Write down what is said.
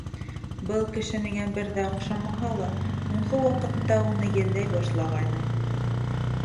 Был кеше миңә бер ҙә оҡшамаһа ла, һуңғы ваҡытта уны йәлләй башлағайным.